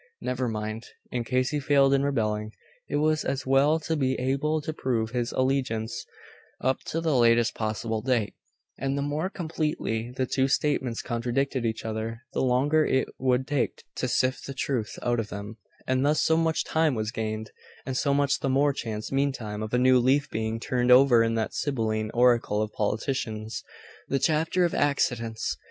Never mind.... In case he failed in rebelling, it was as well to be able to prove his allegiance up to the latest possible date; and the more completely the two statements contradicted each other, the longer it would take to sift the truth out of them; and thus so much time was gained, and so much the more chance, meantime, of a new leaf being turned over in that Sibylline oracle of politicians the Chapter of Accidents.